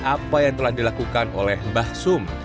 apa yang telah dilakukan oleh mbah sum